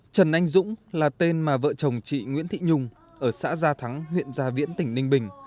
trần anh dũng là tên mà vợ chồng chị nguyễn thị nhung ở xã gia thắng huyện gia viễn tỉnh ninh bình